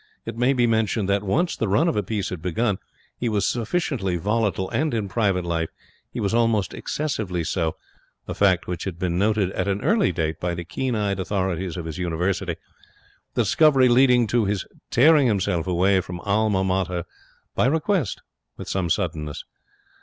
It may be mentioned that, once the run of a piece had begun, he was sufficiently volatile, and in private life he was almost excessively so a fact which had been noted at an early date by the keen eyed authorities of his University, the discovery leading to his tearing himself away from Alma Mater by request with some suddenness.